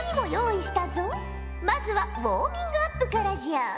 まずはウォーミングアップからじゃ。